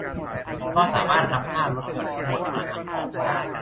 ก็สามารถนำค่าลดหย่อนทั้งหมดมาหักออกจาก